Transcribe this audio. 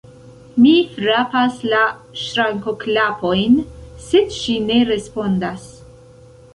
Mi frapas la ŝrankoklapojn, sed ŝi ne respondas.